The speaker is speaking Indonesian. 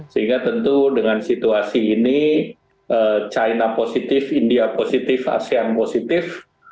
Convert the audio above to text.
sehingga tentu dengan situasi ini china positif india positif asean positif